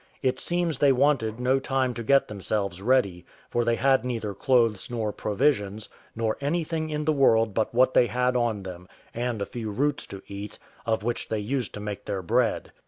It seems they wanted no time to get themselves ready; for they had neither clothes nor provisions, nor anything in the world but what they had on them, and a few roots to eat, of which they used to make their bread.